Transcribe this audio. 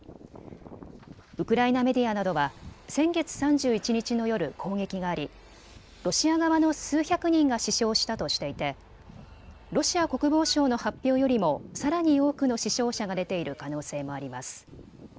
ウクライナメディアなどは先月３１日の夜、攻撃がありロシア側の数百人が死傷したとしていてロシア国防省の発表よりもさらに多くの死傷者が出ている可能性もあります。